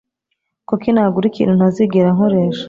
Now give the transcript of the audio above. Kuki nagura ikintu ntazigera nkoresha?